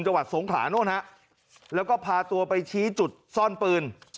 จังหวัดสงขลาโน่นฮะแล้วก็พาตัวไปชี้จุดซ่อนปืน